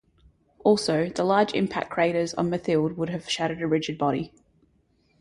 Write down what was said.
Also, the large impact craters on Mathilde would have shattered a rigid body.